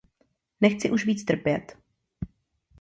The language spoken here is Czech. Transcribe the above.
Nechci už víc trpět.